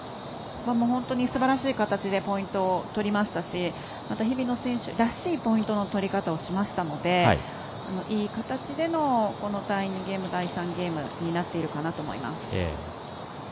本当にすばらしい形でポイントを取りましたし日比野選手らしいポイントの取り方をしましたのでいい形での第２ゲーム第３ゲームになっていると思います。